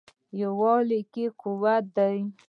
یووالي کې قوت دی.